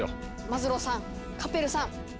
マズローさんカペルさん。